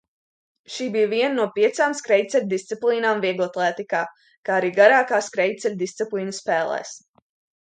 Šī bija viena no piecām skrejceļa disciplīnām vieglatlētikā, kā arī garākā skrejceļa disciplīna spēlēs.